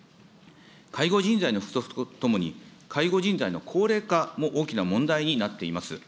介護人材の不足とともに、介護人材の高齢化も大きな問題になっています。